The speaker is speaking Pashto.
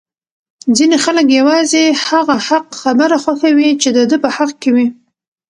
ځینی خلک یوازی هغه حق خبره خوښوي چې د ده په حق کي وی!